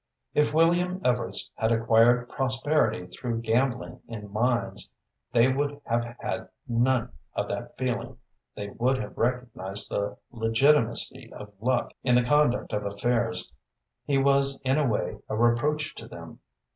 If William Evarts had acquired prosperity through gambling in mines, they would have had none of that feeling; they would have recognized the legitimacy of luck in the conduct of affairs. He was in a way a reproach to them.